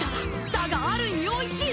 だがある意味おいしい！